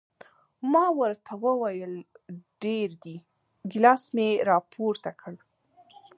ما ورته وویل ډېر دي، ګیلاس مې را پورته کړ.